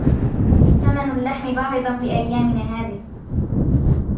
ثمن اللحم باهظ في أيامنا هذه.